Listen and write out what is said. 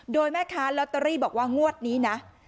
โดยแม่ค้าลอตเตอรี่บอกว่างวดนี้นะ